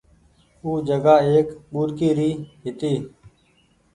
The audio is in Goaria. او جگآ ايڪ ٻوڏڪي هيتي۔